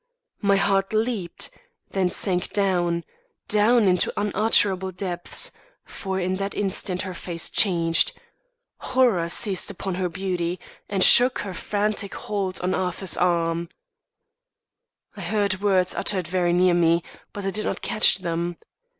My heart leaped, then sank down, down into unutterable depths; for in that instant her face changed, horror seized upon her beauty, and shook her frantic hold on Arthur's arm. I heard words uttered very near me, but I did not catch them.